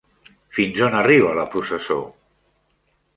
Fins on arriba la processó?